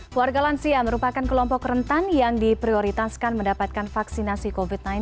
keluarga lansia merupakan kelompok rentan yang diprioritaskan mendapatkan vaksinasi covid sembilan belas